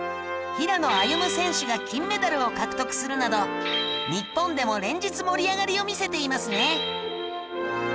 平野歩夢選手が金メダルを獲得するなど日本でも連日盛り上がりを見せていますね。